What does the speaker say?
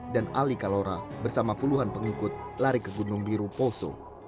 dan ali kalora bersama puluhan pengikut lari ke gunung biru poso